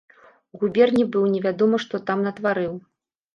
У губерні быў, невядома, што там натварыў.